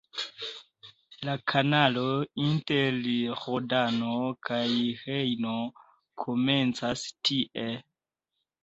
La kanalo inter Rodano kaj Rejno komencas tie.